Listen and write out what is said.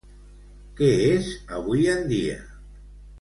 Què és avui en dia?